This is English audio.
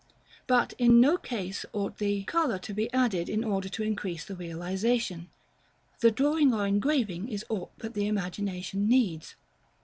But, in no case ought the color to be added in order to increase the realization. The drawing or engraving is all that the imagination needs.